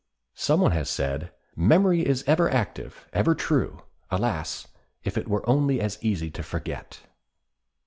Some one has said: "Memory is ever active, ever true; alas, if it were only as easy to forget!"